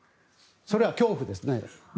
それは恐怖ですね。